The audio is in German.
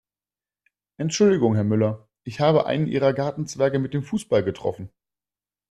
Entschuldigung Herr Müller, ich habe einen Ihrer Gartenzwerge mit dem Fußball getroffen.